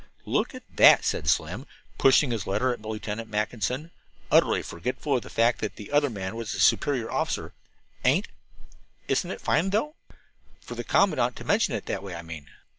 "Look at that," said Slim, pushing his letter at Lieutenant Mackinson, utterly forgetful of the fact that the other man was his superior officer. "Ain't isn't that fine, though? For the commandant to mention it that way, I mean."